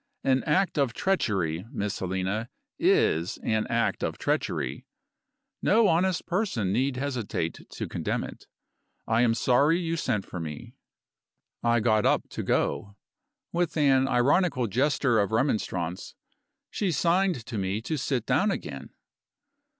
An act of treachery, Miss Helena, is an act of treachery; no honest person need hesitate to condemn it. I am sorry you sent for me." I got up to go. With an ironical gesture of remonstrance, she signed to me to sit down again.